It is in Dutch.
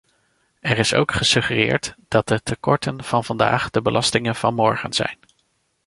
Er is ook gesuggereerd dat de tekorten van vandaag de belastingen van morgen zijn.